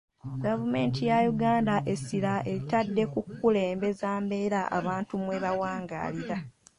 Gavumenti ya Uganda essira eritadde ku kukulembeza mbeera abantu mwe bawangaalira.